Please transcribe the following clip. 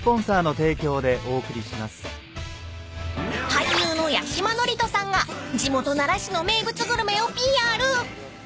［俳優の八嶋智人さんが地元奈良市の名物グルメをＰＲ］